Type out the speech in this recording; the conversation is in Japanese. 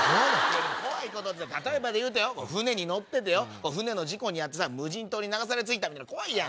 怖いことって例えばでいうと船に乗ってて船の事故に遭って無人島に流れ着いたみたいなん怖いやん。